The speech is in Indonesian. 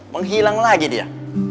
menghilang lagi dia